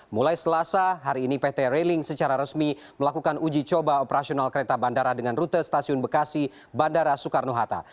mulai selasa hari ini pt railing secara resmi melakukan uji coba operasional kereta bandara dengan rute stasiun bekasi bandara soekarno hatta